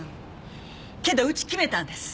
けどうち決めたんです。